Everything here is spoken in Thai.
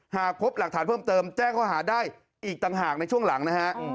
หากพบหลักฐานเพิ่มเติมแจ้งข้อหาได้อีกต่างหากในช่วงหลังนะฮะ